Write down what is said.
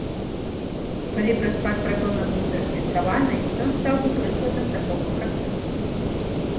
Калі б распад пратона быў зарэгістраваны, ён стаў бы прыкладам такога працэсу.